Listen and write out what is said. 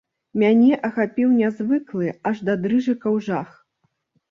Мяне ахапіў нязвыклы, аж да дрыжыкаў, жах.